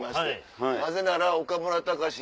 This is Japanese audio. なぜなら岡村隆史